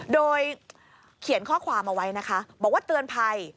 โดยเขียนข้อความเอาไว้นะคะบอกว่าเตือนภัย